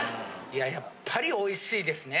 いややっぱりおいしいですね。